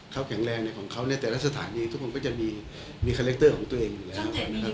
เขาแข็งแรงของเขาเนี่ยแต่ละสถานีทุกคนก็จะมีคาแรคเตอร์ของตัวเองอยู่แล้วนะครับ